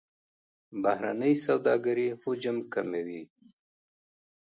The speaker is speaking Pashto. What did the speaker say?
بهرنۍ سوداګرۍ حجم کمیږي.